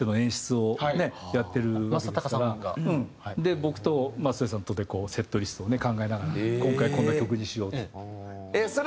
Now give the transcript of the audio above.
僕と松任谷さんとでセットリストをね考えながら「今回こんな曲にしよう」っつって。